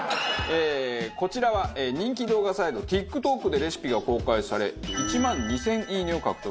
こちらは人気動画サイトＴｉｋＴｏｋでレシピが公開され１万２０００「いいね！」を獲得。